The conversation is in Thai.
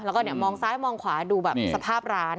แล้วก็มองซ้ายมองขวาดูแบบสภาพร้าน